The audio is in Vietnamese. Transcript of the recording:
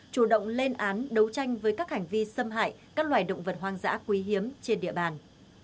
chủ động lên án đấu tranh với các hành vi xâm hại các loài động vật hoang dã quý hiếm trên địa bàn